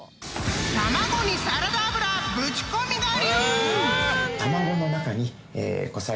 ［卵にサラダ油ぶち込み我流！］